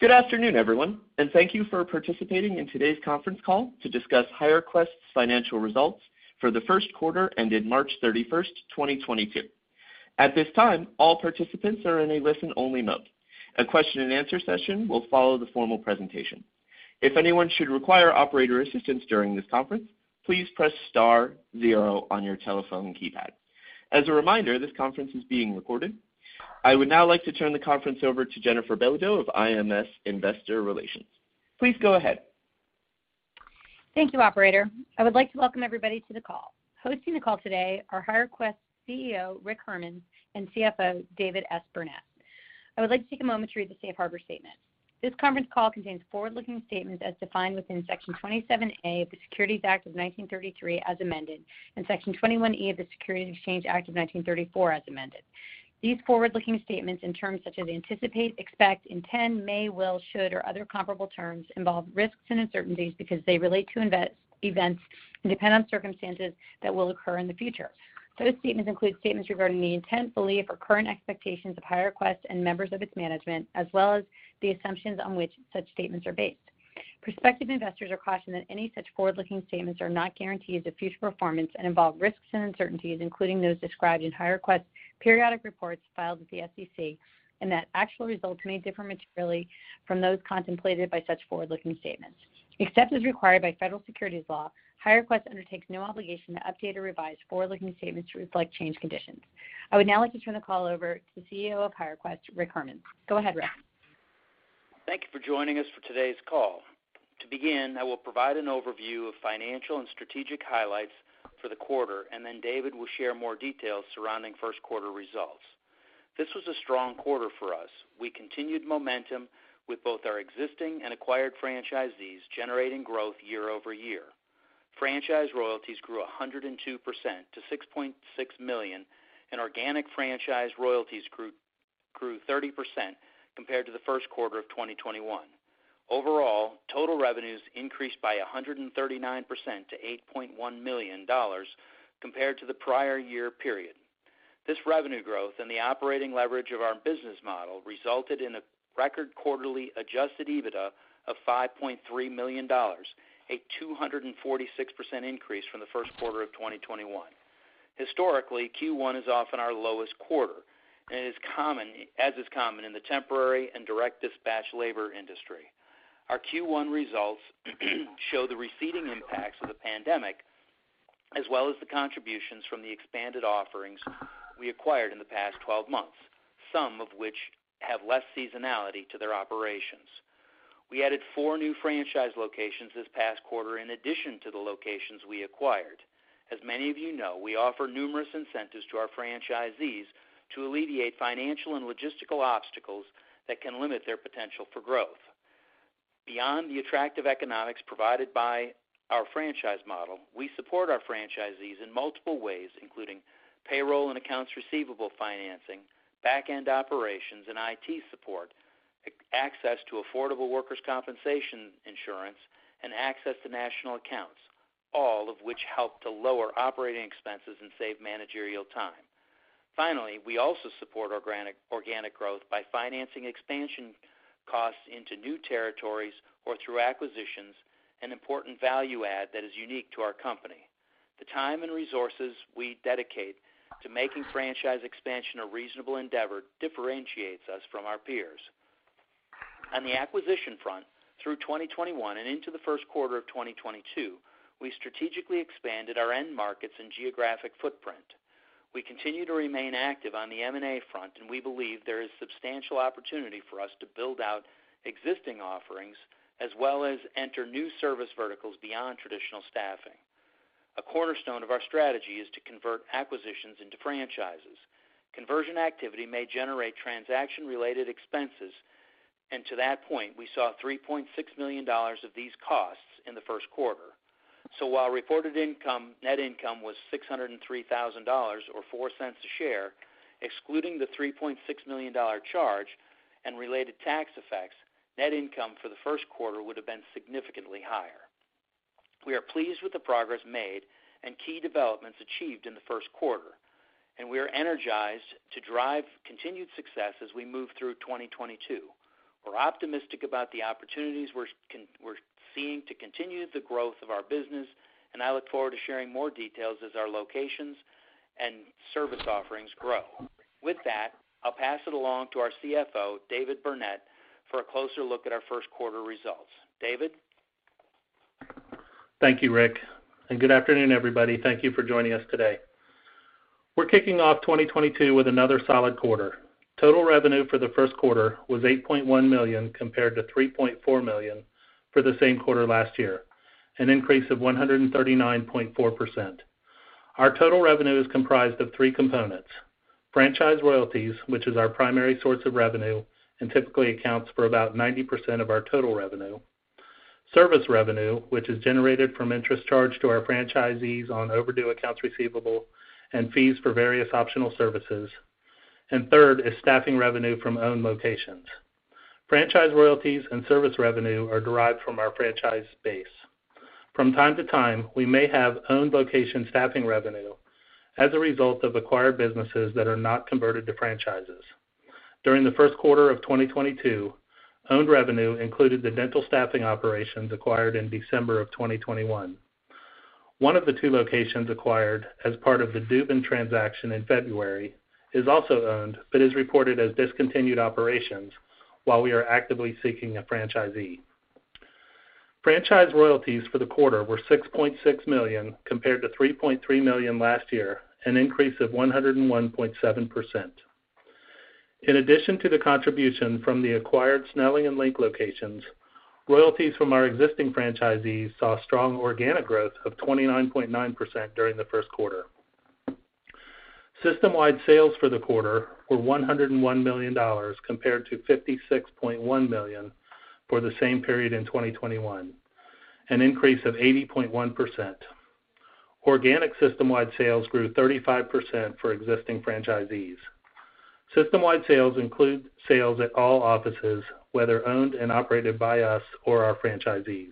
Good afternoon, everyone, and thank you for participating in today's conference call to discuss HireQuest's financial results for the Q1 ended March 31st, 2022. At this time, all participants are in a listen-only mode. A question-and-answer session will follow the formal presentation. If anyone should require operator assistance during this conference, please press star zero on your telephone keypad. As a reminder, this conference is being recorded. I would now like to turn the conference over to Jennifer Belodeau of IMS Investor Relations. Please go ahead. Thank you, operator. I would like to welcome everybody to the call. Hosting the call today are HireQuest CEO, Rick Hermanns, and CFO, David S. Burnett. I would like to take a moment to read the Safe Harbor statement. This conference call contains forward-looking statements as defined within Section 27A of the Securities Act of 1933 as amended, and Section 21E of the Securities Exchange Act of 1934 as amended. These forward-looking statements in terms such as anticipate, expect, intend, may, will, should, or other comparable terms involve risks and uncertainties because they relate to events and depend on circumstances that will occur in the future. Those statements include statements regarding the intent, belief, or current expectations of HireQuest and members of its management, as well as the assumptions on which such statements are based. Prospective investors are cautioned that any such forward-looking statements are not guarantees of future performance and involve risks and uncertainties, including those described in HireQuest periodic reports filed with the SEC, and that actual results may differ materially from those contemplated by such forward-looking statements. Except as required by federal securities law, HireQuest undertakes no obligation to update or revise forward-looking statements to reflect changed conditions. I would now like to turn the call over to the CEO of HireQuest, Rick Hermanns. Go ahead, Rick. Thank you for joining us for today's call. To begin, I will provide an overview of financial and strategic highlights for the quarter, and then David will share more details surrounding Q1 results. This was a strong quarter for us. We continued momentum with both our existing and acquired franchisees, generating growth year-over-year. Franchise royalties grew 102% to $6.6 million, and organic franchise royalties grew 30% compared to the Q1 of 2021. Overall, total revenues increased by 139% to $8.1 million compared to the prior year period. This revenue growth and the operating leverage of our business model resulted in a record quarterly adjusted EBITDA of $5.3 million, a 246% increase from the Q1 of 2021. Historically, Q1 is often our lowest quarter, and, as is common, in the temporary and direct dispatch labor industry. Our Q1 results show the receding impacts of the pandemic, as well as the contributions from the expanded offerings we acquired in the past twelve months, some of which have less seasonality to their operations. We added four new franchise locations this past quarter in addition to the locations we acquired. As many of you know, we offer numerous incentives to our franchisees to alleviate financial and logistical obstacles that can limit their potential for growth. Beyond the attractive economics provided by our franchise model, we support our franchisees in multiple ways, including payroll and accounts receivable financing, back-end operations and IT support, access to affordable workers' compensation insurance, and access to national accounts, all of which help to lower operating expenses and save managerial time. Finally, we also support organic growth by financing expansion costs into new territories or through acquisitions, an important value add that is unique to our company. The time and resources we dedicate to making franchise expansion a reasonable endeavor differentiates us from our peers. On the acquisition front, through 2021 and into the Q1 of 2022, we strategically expanded our end markets and geographic footprint. We continue to remain active on the M&A front, and we believe there is substantial opportunity for us to build out existing offerings as well as enter new service verticals beyond traditional staffing. A cornerstone of our strategy is to convert acquisitions into franchises. Conversion activity may generate transaction-related expenses. To that point, we saw $3.6 million of these costs in the Q1. While reported income, net income was $603,000 or $0.04 a share, excluding the $3.6 million charge and related tax effects, net income for the Q1 would have been significantly higher. We are pleased with the progress made and key developments achieved in the Q1, and we are energized to drive continued success as we move through 2022. We're optimistic about the opportunities we're seeing to continue the growth of our business, and I look forward to sharing more details as our locations and service offerings grow. With that, I'll pass it along to our CFO, David Burnett, for a closer look at our Q1 results. David? Thank you, Rick, and good afternoon, everybody. Thank you for joining us today. We're kicking off 2022 with another solid quarter. Total revenue for the Q1 was $8.1 million compared to $3.4 million for the same quarter last year, an increase of 139.4%. Our total revenue is comprised of three components: franchise royalties, which is our primary source of revenue and typically accounts for about 90% of our total revenue, service revenue, which is generated from interest charged to our franchisees on overdue accounts receivable and fees for various optional services. Third is staffing revenue from own locations. Franchise royalties and service revenue are derived from our franchise base. From time to time, we may have owned location staffing revenue as a result of acquired businesses that are not converted to franchises. During the Q1 of 2022, owned revenue included the dental staffing operations acquired in December of 2021. One of the two locations acquired as part of the Dubin transaction in February is also owned, but is reported as discontinued operations while we are actively seeking a franchisee. Franchise royalties for the quarter were $6.6 million compared to $3.3 million last year, an increase of 101.7%. In addition to the contribution from the acquired Snelling and LINK locations, royalties from our existing franchisees saw strong organic growth of 29.9% during the Q1. System-wide sales for the quarter were $101 million compared to $56.1 million for the same period in 2021, an increase of 80.1%. Organic system-wide sales grew 35% for existing franchisees. System-wide sales include sales at all offices, whether owned and operated by us or our franchisees.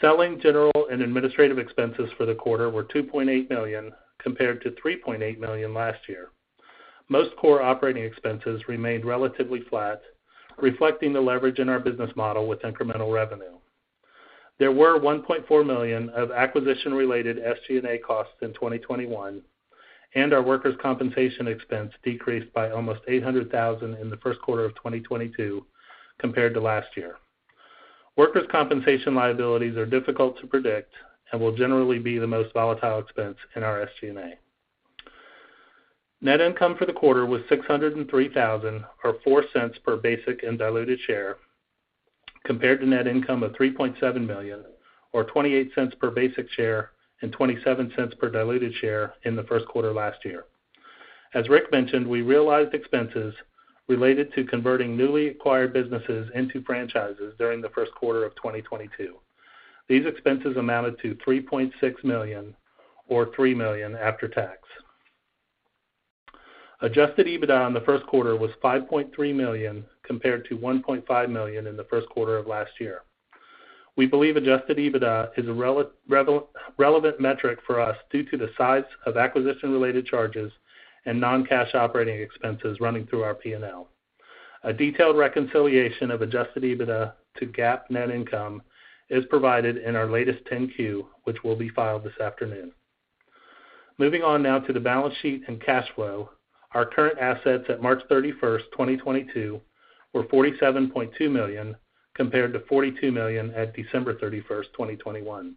Selling, general, and administrative expenses for the quarter were $2.8 million compared to $3.8 million last year. Most core operating expenses remained relatively flat, reflecting the leverage in our business model with incremental revenue. There were $1.4 million of acquisition-related SG&A costs in 2021, and our workers' compensation expense decreased by almost $800,000 in the Q1 of 2022 compared to last year. Workers' compensation liabilities are difficult to predict and will generally be the most volatile expense in our SG&A. Net income for the quarter was $603,000, or $0.04 per basic and diluted share, compared to net income of $3.7 million, or $0.28 per basic share and $0.27 per diluted share in the Q1 last year. As Rick mentioned, we realized expenses related to converting newly acquired businesses into franchises during the Q1 of 2022. These expenses amounted to $3.6 million or $3 million after tax. Adjusted EBITDA in the Q1 was $5.3 million compared to $1.5 million in the Q1 of last year. We believe adjusted EBITDA is a relevant metric for us due to the size of acquisition-related charges and non-cash operating expenses running through our P&L. A detailed reconciliation of adjusted EBITDA to GAAP net income is provided in our latest 10-Q, which will be filed this afternoon. Moving on now to the balance sheet and cash flow. Our current assets at March 31st, 2022 were $47.2 million, compared to $42 million at December 31st, 2021.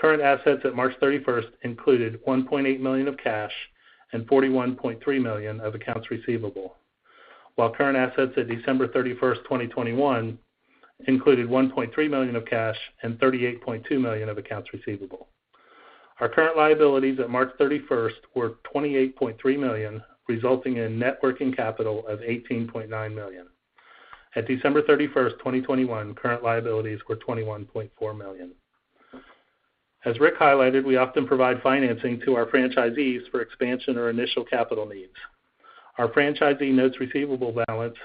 Current assets at March 31st included $1.8 million of cash and $41.3 million of accounts receivable, while current assets at December 31st, 2021 included $1.3 million of cash and $38.2 million of accounts receivable. Our current liabilities at March 31st were $28.3 million, resulting in net working capital of $18.9 million. At December 31st, 2021, current liabilities were $21.4 million. As Rick highlighted, we often provide financing to our franchisees for expansion or initial capital needs. Our franchisee notes receivable balance,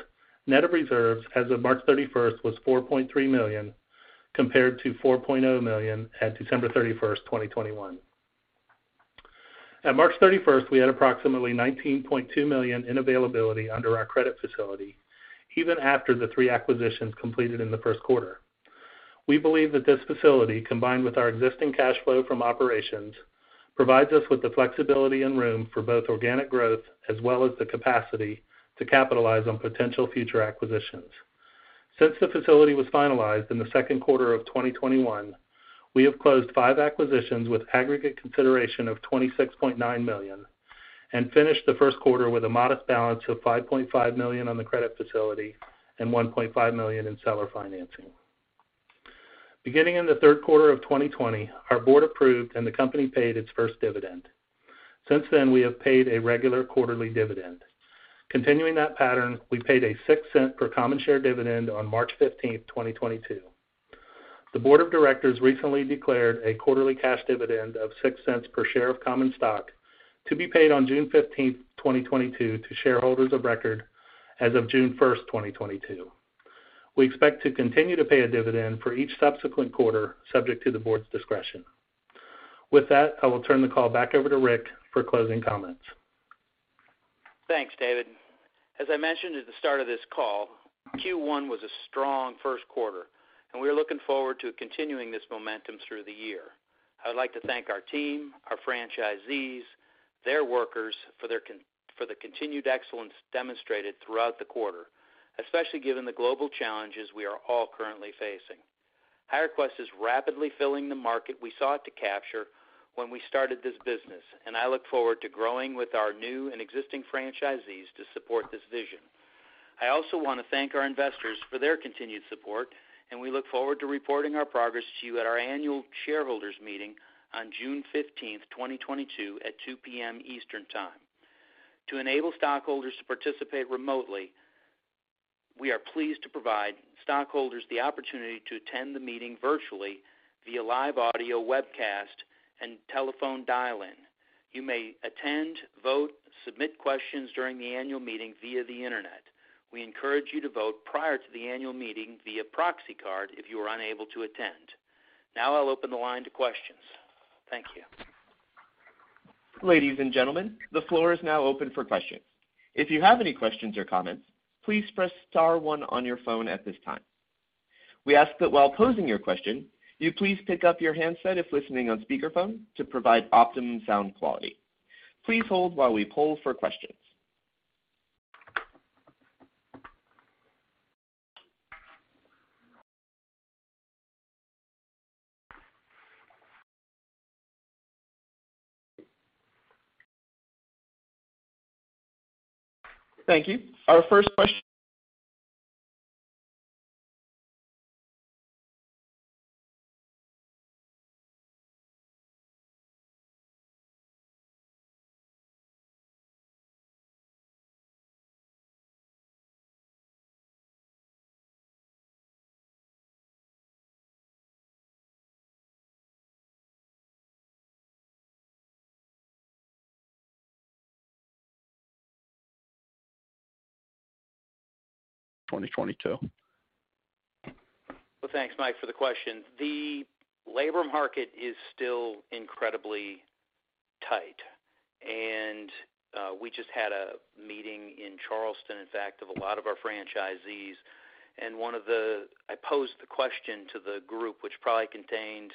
net of reserves, as of March 31st was $4.3 million, compared to $4.0 million at December 31st, 2021. At March 31st, we had approximately $19.2 million in availability under our credit facility, even after the three acquisitions completed in the Q1. We believe that this facility, combined with our existing cash flow from operations, provides us with the flexibility and room for both organic growth as well as the capacity to capitalize on potential future acquisitions. Since the facility was finalized in th Q2 of 2021, we have closed five acquisitions with aggregate consideration of $26.9 million and finished the Q1 with a modest balance of $5.5 million on the credit facility and $1.5 million in seller financing. Beginning in the Q3 of 2020, our board approved and the company paid its first dividend. Since then, we have paid a regular quarterly dividend. Continuing that pattern, we paid a $0.06 per common share dividend on March 15th, 2022. The board of directors recently declared a quarterly cash dividend of $0.06 per share of common stock to be paid on June 15th, 2022 to shareholders of record as of June 1st, 2022. We expect to continue to pay a dividend for each subsequent quarter, subject to the board's discretion. With that, I will turn the call back over to Rick for closing comments. Thanks, David. As I mentioned at the start of this call, Q1 was a strong Q1, and we are looking forward to continuing this momentum through the year. I would like to thank our team, our franchisees, their workers for their continued excellence demonstrated throughout the quarter, especially given the global challenges we are all currently facing. HireQuest is rapidly filling the market we sought to capture when we started this business, and I look forward to growing with our new and existing franchisees to support this vision. I also want to thank our investors for their continued support, and we look forward to reporting our progress to you at our annual shareholders meeting on June 15th, 2022 at 2:00 P.M. Eastern Time. To enable stockholders to participate remotely, we are pleased to provide stockholders the opportunity to attend the meeting virtually via live audio webcast and telephone dial-in. You may attend, vote, submit questions during the annual meeting via the internet. We encourage you to vote prior to the annual meeting via proxy card if you are unable to attend. Now I'll open the line to questions. Thank you. Ladies and gentlemen, the floor is now open for questions. If you have any questions or comments, please press star one on your phone at this time. We ask that while posing your question, you please pick up your handset if listening on speakerphone to provide optimum sound quality. Please hold while we poll for questions. Thank you. Our first question. 2022. Well, thanks, Mike, for the question. The labor market is still incredibly tight. We just had a meeting in Charleston, in fact, of a lot of our franchisees. I posed the question to the group, which probably contained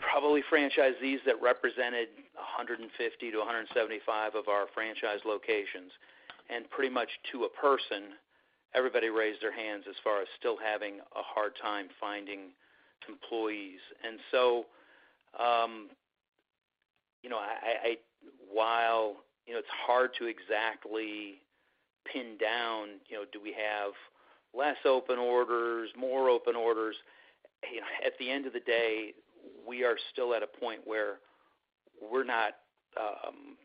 franchisees that represented 150-175 of our franchise locations. Pretty much to a person, everybody raised their hands as far as still having a hard time finding employees. You know, I while you know, it's hard to exactly pin down, you know, do we have less open orders, more open orders? You know, at the end of the day, we are still at a point where we're not,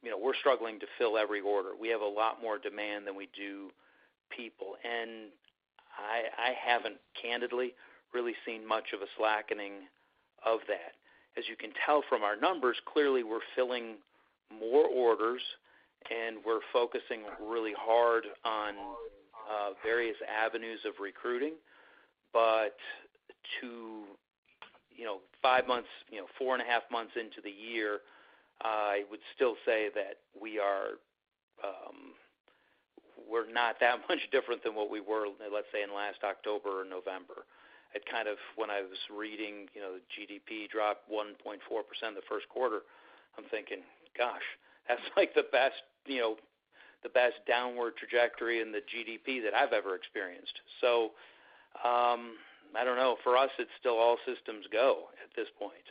you know, we're struggling to fill every order. We have a lot more demand than we do people. I haven't candidly really seen much of a slackening of that. As you can tell from our numbers, clearly we're filling more orders and we're focusing really hard on various avenues of recruiting. To you know, 5 months, you know, four and a half months into the year, I would still say that we're not that much different than what we were, let's say, in last October or November. When I was reading, you know, the GDP dropped 1.4% the Q1, I'm thinking, "Gosh, that's like the best, you know, the best downward trajectory in the GDP that I've ever experienced." I don't know. For us, it's still all systems go at this point.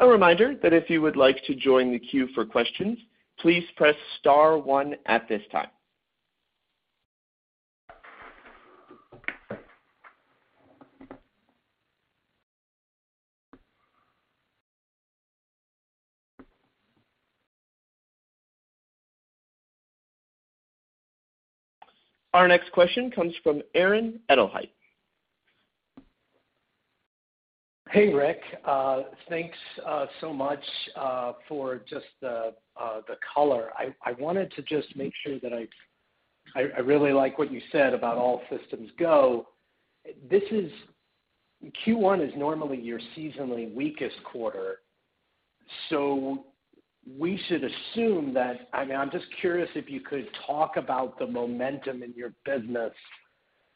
A reminder that if you would like to join the queue for questions, please press star one at this time. Our next question comes from Aaron Edelheit. Hey, Rick. Thanks so much for just the color. I really like what you said about all systems go. This, Q1, is normally your seasonally weakest quarter. We should assume that. I mean, I'm just curious if you could talk about the momentum in your business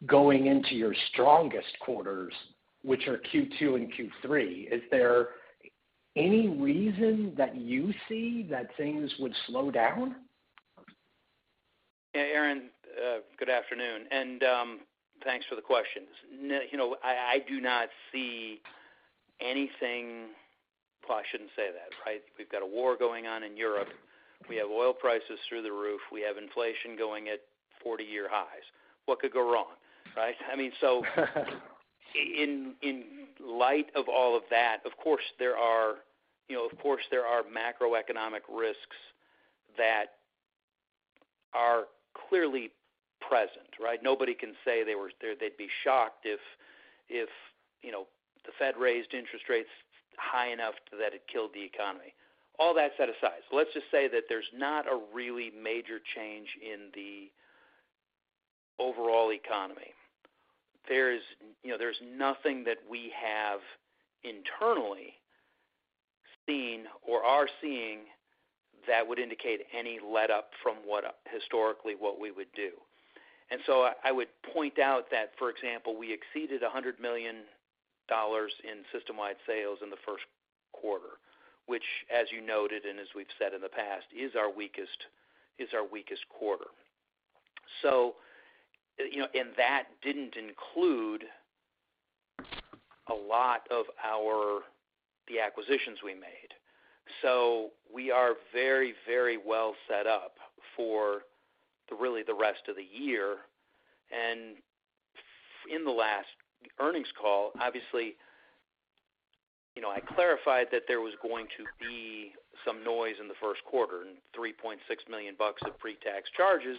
going into your strongest quarters, which are Q2 and Q3. Is there any reason that you see that things would slow down? Yeah, Aaron, good afternoon, and thanks for the questions. You know, I do not see anything. Well, I shouldn't say that, right? We've got a war going on in Europe. We have oil prices through the roof. We have inflation going at 40-year highs. What could go wrong, right? I mean, in light of all of that, of course, there are macroeconomic risks that are clearly present, right? Nobody can say they'd be shocked if, you know, the Fed raised interest rates high enough that it killed the economy. All that set aside, let's just say that there's not a really major change in the overall economy. You know, there's nothing that we have internally seen or are seeing that would indicate any letup from what, historically, what we would do. I would point out that, for example, we exceeded $100 million in system-wide sales in the Q1, which as you noted, and as we've said in the past, is our weakest quarter. You know, and that didn't include a lot of our the acquisitions we made. We are very, very well set up for really the rest of the year. In the last earnings call, obviously, you know, I clarified that there was going to be some noise in the Q1, and $3.6 million of pre-tax charges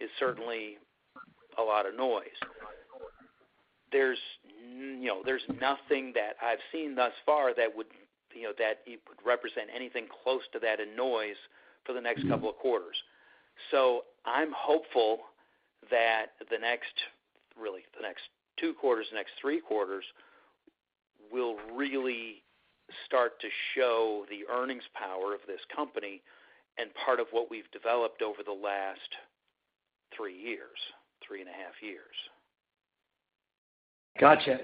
is certainly a lot of noise. You know, there's nothing that I've seen thus far that would, you know, that you could represent anything close to that in noise for the next couple of quarters. I'm hopeful that the next two quarters, really the next three quarters, will really start to show the earnings power of this company and part of what we've developed over the last three years, three and a half years. Gotcha.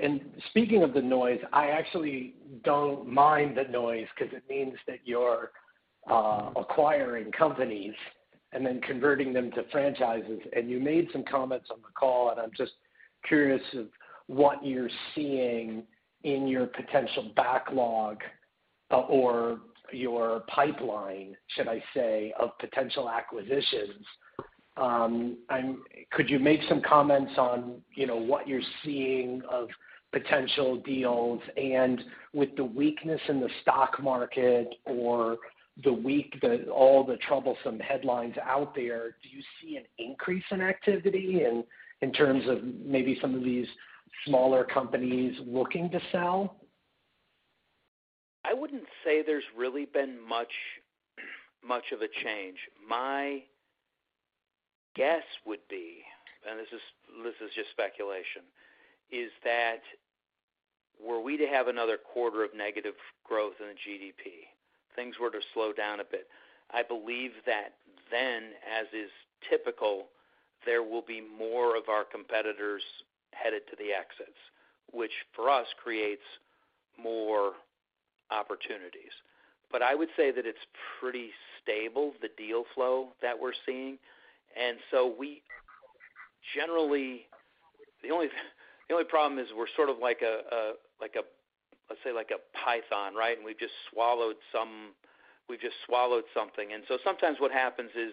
Speaking of the noise, I actually don't mind the noise 'cause it means that you're acquiring companies and then converting them to franchises. You made some comments on the call, and I'm just curious of what you're seeing in your potential backlog or your pipeline, should I say, of potential acquisitions. Could you make some comments on, you know, what you're seeing of potential deals? With the weakness in the stock market or all the troublesome headlines out there, do you see an increase in activity in terms of maybe some of these smaller companies looking to sell? I wouldn't say there's really been much of a change. My guess would be, and this is just speculation, is that were we to have another quarter of negative growth in the GDP, things were to slow down a bit. I believe that then, as is typical, there will be more of our competitors headed to the exits, which for us creates more opportunities. I would say that it's pretty stable, the deal flow that we're seeing. We generally. The only problem is we're sort of like a python, right? We've just swallowed something. Sometimes what happens is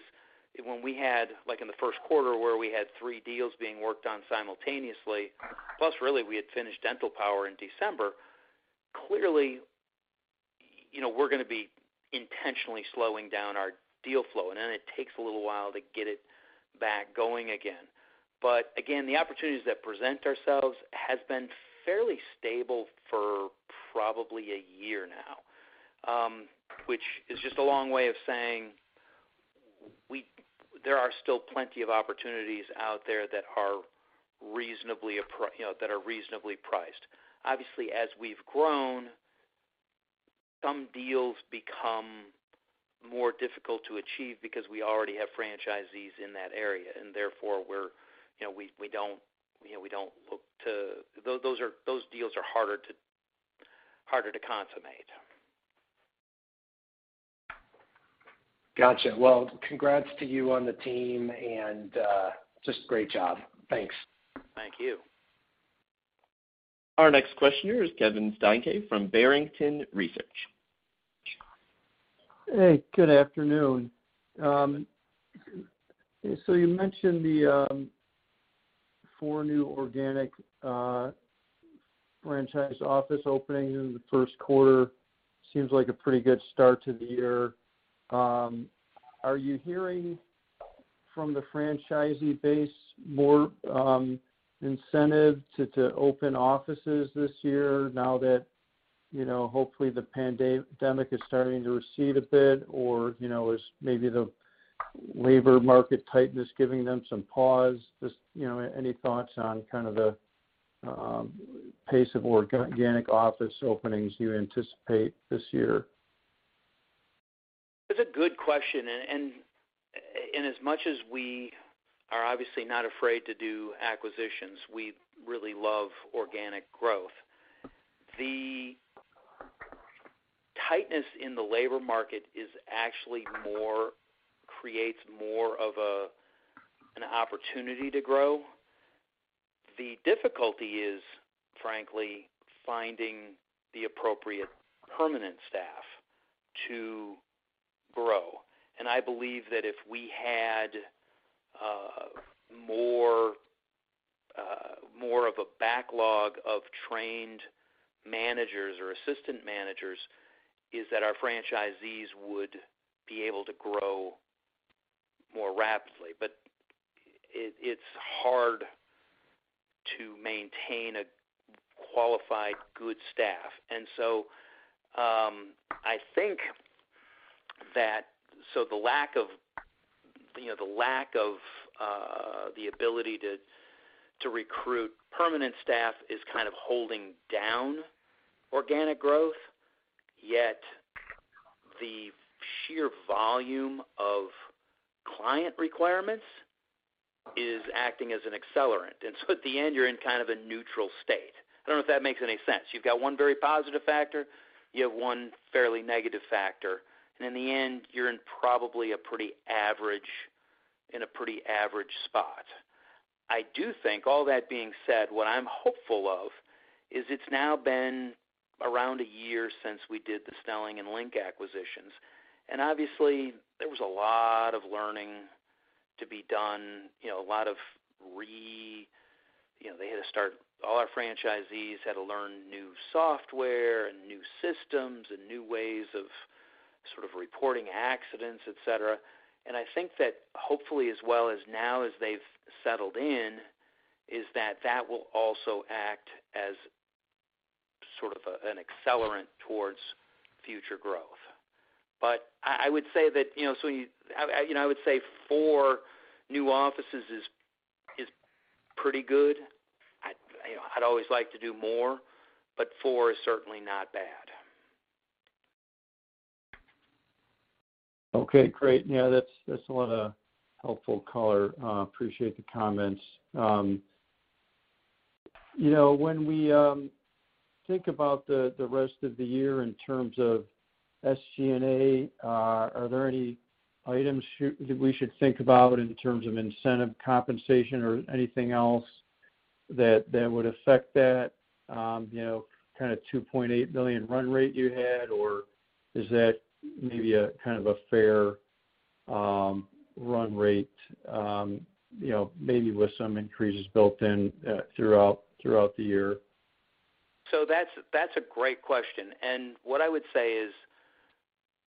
when we had, like in the Q1, where we had three deals being worked on simultaneously, plus really we had finished Dental Power in December, clearly, you know, we're gonna be intentionally slowing down our deal flow. It takes a little while to get it back going again. Again, the opportunities that present ourselves has been fairly stable for probably a year now, which is just a long way of saying there are still plenty of opportunities out there that are reasonably priced. Obviously, as we've grown, some deals become more difficult to achieve because we already have franchisees in that area, and therefore we're, you know, we don't look to. Those deals are harder to consummate. Gotcha. Well, congrats to you on the team and, just great job. Thanks. Thank you. Our next question here is Kevin Steinke from Barrington Research Associates. Hey, good afternoon. So you mentioned the four new organic franchise office openings in the Q1. Seems like a pretty good start to the year. Are you hearing from the franchisee base more incentive to open offices this year now that, you know, hopefully the pandemic is starting to recede a bit or, you know, is maybe the labor market tightness giving them some pause? Just, you know, any thoughts on kind of the pace of organic office openings you anticipate this year? It's a good question. As much as we are obviously not afraid to do acquisitions, we really love organic growth. The tightness in the labor market is actually creating more of an opportunity to grow. The difficulty is, frankly, finding the appropriate permanent staff to grow. I believe that if we had more of a backlog of trained managers or assistant managers, that our franchisees would be able to grow more rapidly. It's hard to maintain a qualified, good staff. I think that the lack of the ability to recruit permanent staff is kind of holding down organic growth, yet the sheer volume of client requirements is acting as an accelerant. At the end, you're in kind of a neutral state. I don't know if that makes any sense. You've got one very positive factor. You have one fairly negative factor. In the end, you're in probably a pretty average spot. I do think all that being said, what I'm hopeful of is it's now been around a year since we did the Snelling and LINK acquisitions. Obviously, there was a lot of learning to be done, you know, all our franchisees had to learn new software and new systems and new ways of sort of reporting accidents, et cetera. I think that hopefully as well as now as they've settled in, is that that will also act as sort of an accelerant towards future growth. I would say that, you know, four new offices is pretty good. You know, I'd always like to do more, but four is certainly not bad. Okay, great. Yeah, that's a lot of helpful color. Appreciate the comments. You know, when we think about the rest of the year in terms of SG&A, are there any items that we should think about in terms of incentive compensation or anything else that would affect that kind of $2.8 million run rate you had? Or is that maybe a kind of a fair run rate, you know, maybe with some increases built in throughout the year? That's a great question. What I would say is,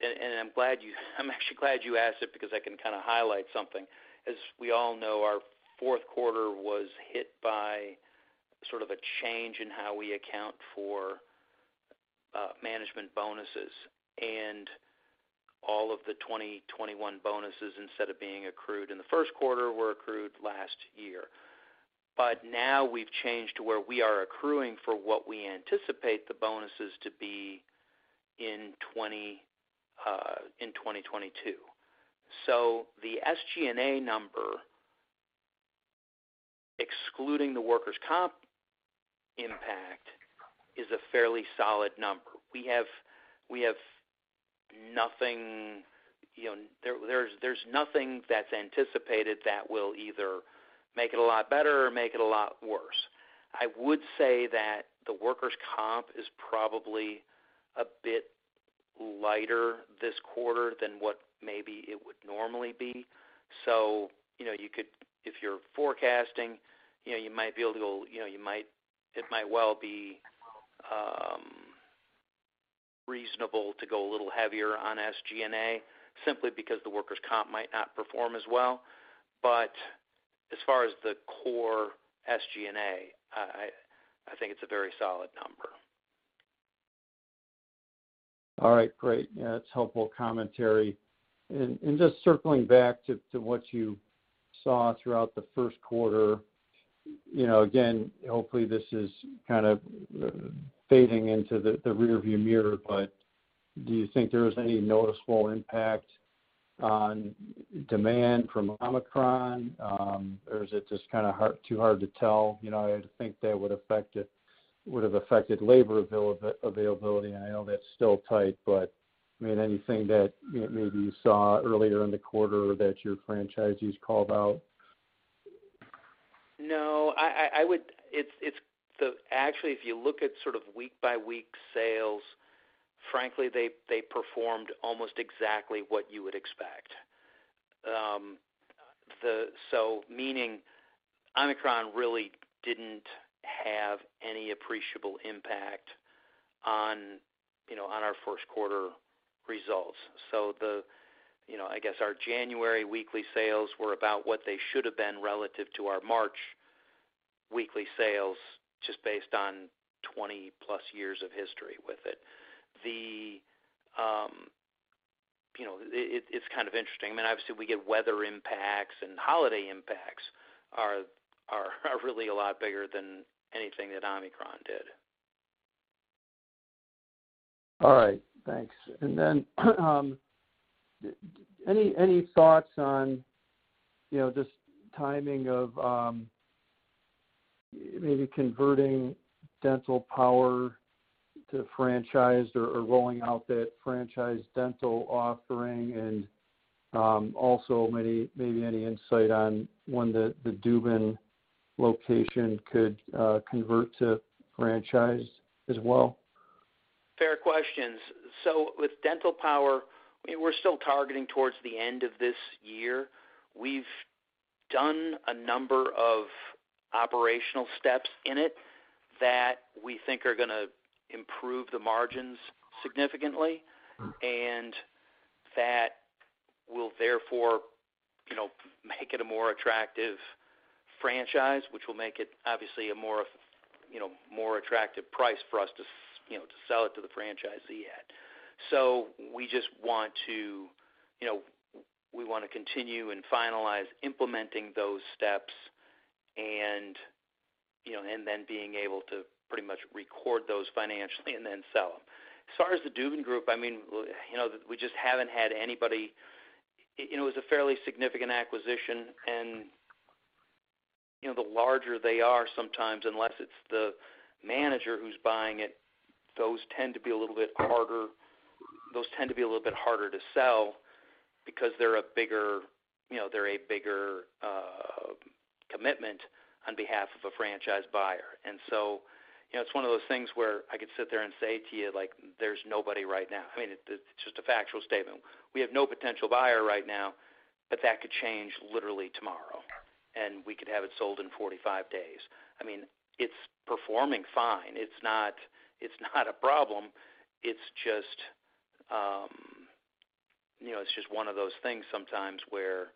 I'm actually glad you asked it because I can kind of highlight something. As we all know, our Q4 was hit by sort of a change in how we account for management bonuses. All of the 2021 bonuses, instead of being accrued in the Q1, were accrued last year. Now we've changed to where we are accruing for what we anticipate the bonuses to be in 2022. The SG&A number, excluding the workers' comp impact, is a fairly solid number. We have nothing. There's nothing that's anticipated that will either make it a lot better or make it a lot worse. I would say that the workers' comp is probably a bit lighter this quarter than what maybe it would normally be. You know, you could, if you're forecasting, you know, you might be able to go, you know, it might well be reasonable to go a little heavier on SG&A simply because the workers' comp might not perform as well. As far as the core SG&A, I think it's a very solid number. All right, great. Yeah, that's helpful commentary. Just circling back to what you saw throughout the Q1, you know, again, hopefully this is kind of fading into the rearview mirror, but do you think there is any noticeable impact on demand from Omicron? Or is it just too hard to tell? You know, I'd think that would've affected labor availability. I know that's still tight, but I mean, anything that maybe you saw earlier in the quarter that your franchisees called out? No. Actually, if you look at sort of week by week sales, frankly, they performed almost exactly what you would expect. Meaning, Omicron really didn't have any appreciable impact on, you know, on our Q1 results. You know, I guess our January weekly sales were about what they should have been relative to our March weekly sales, just based on 20-plus years of history with it. You know, it's kind of interesting. I mean, obviously, we get weather impacts, and holiday impacts are really a lot bigger than anything that Omicron did. All right, thanks. Any thoughts on, you know, just timing of maybe converting Dental Power to franchised or rolling out that franchise dental offering? Also maybe any insight on when the Dubin location could convert to franchise as well? Fair questions. With Dental Power, we're still targeting towards the end of this year. We've done a number of operational steps in it that we think are gonna improve the margins significantly. Mm-hmm. That will therefore, you know, make it a more attractive franchise, which will make it obviously a more, you know, more attractive price for us to you know, to sell it to the franchisee at. We just want to, you know, we wanna continue and finalize implementing those steps and, you know, and then being able to pretty much record those financially and then sell them. As far as the Dubin Group, I mean, you know, we just haven't had anybody. It was a fairly significant acquisition, and, you know, the larger they are sometimes, unless it's the manager who's buying it, those tend to be a little bit harder to sell because they're a bigger, you know, they're a bigger commitment on behalf of a franchise buyer. You know, it's one of those things where I could sit there and say to you, like, "There's nobody right now." I mean, it's just a factual statement. We have no potential buyer right now, but that could change literally tomorrow, and we could have it sold in 45 days. I mean, it's performing fine. It's not a problem. It's just, you know, it's just one of those things sometimes where,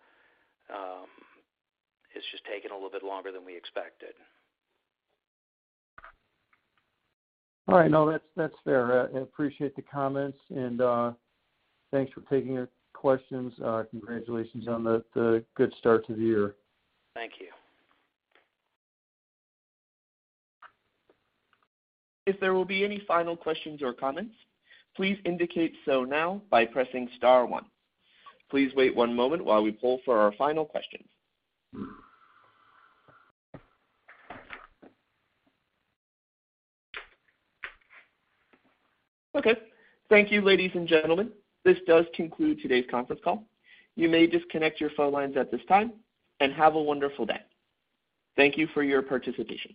it's just taking a little bit longer than we expected. All right. No, that's fair. I appreciate the comments, and thanks for taking the questions. Congratulations on the good start to the year. Thank you. If there will be any final questions or comments, please indicate so now by pressing star one. Please wait one moment while we poll for our final questions. Okay. Thank you, ladies and gentlemen. This does conclude today's conference call. You may disconnect your phone lines at this time, and have a wonderful day. Thank you for your participation.